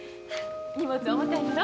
荷物重たいやろ？